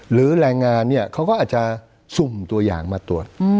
หรือแรงงานเขาก็อาจจะซุ่มตัวอย่างมาตรวจ